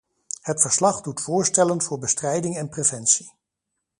Het verslag doet voorstellen voor bestrijding en preventie.